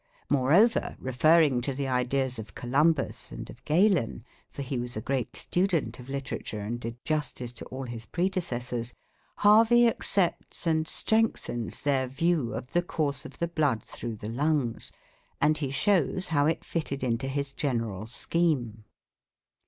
Moreover, referring to the ideas of Columbus and of Galen (for he was a great student of literature, and did justice to all his predecessors), Harvey accepts and strengthens their view of the course of the blood through the lungs, and he shows how it fitted into his general scheme.